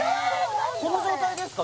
何それこの状態ですか？